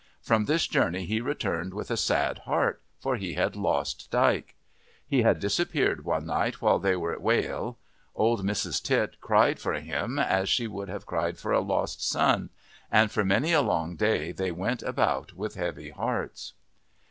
From this journey he returned with a sad heart, for he had lost Dyke. He had disappeared one night while they were at Weyhill. Old Mrs. Titt cried for him as she would have cried for a lost son, and for many a long day they went about with heavy hearts.